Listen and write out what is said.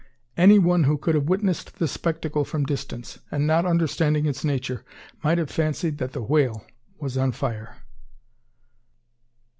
Any one who could have witnessed the spectacle from distance, and not understanding its nature, might have fancied that the whale was on fire!